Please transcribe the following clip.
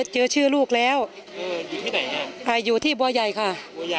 เจอชื่อลูกแล้วอยู่ที่บัวใหญ่ค่ะ